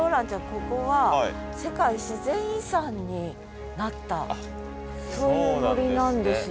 ここは世界自然遺産になったそういう森なんですよ。